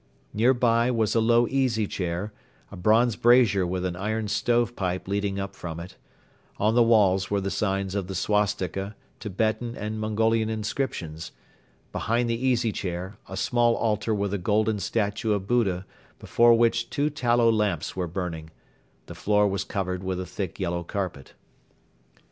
Nearby was a low easy chair, a bronze brazier with an iron stovepipe leading up from it; on the walls were the signs of the swastika, Tibetan and Mongolian inscriptions; behind the easy chair a small altar with a golden statue of Buddha before which two tallow lamps were burning; the floor was covered with a thick yellow carpet.